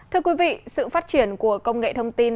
thưa quý vị sự phát triển của công nghệ thông tin